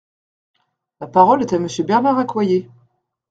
La parole est à Monsieur Bernard Accoyer.